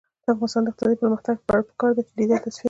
د افغانستان د اقتصادي پرمختګ لپاره پکار ده چې ډیزل تصفیه شي.